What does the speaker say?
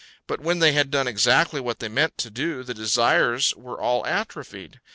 But when they had done exactly what they meant to do, the desires were all atrophied.